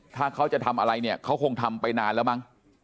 ถ้าเขาจะทำอะไรเนี่ยเขาคงทำไปนานแล้วมั้ง